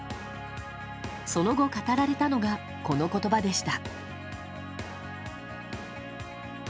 その後、語られたのがこの言葉でした。